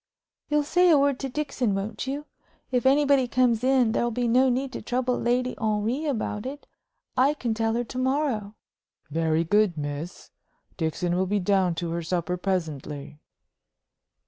"You'll say a word to Dixon, won't you? If anybody comes in, there'll be no need to trouble Lady Henry about it. I can tell her to morrow." "Very good, miss. Dixon will be down to her supper presently."